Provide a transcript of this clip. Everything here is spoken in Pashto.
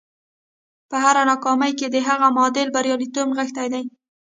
په هره ناکامي کې د هغې معادل برياليتوب نغښتی دی.